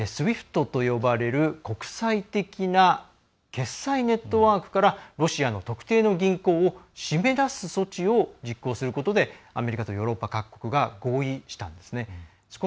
ＳＷＩＦＴと呼ばれる国際的な決済ネットワークからロシアの特定の銀行を締め出す措置を実行することでアメリカとヨーロッパ各国が合意したんですね。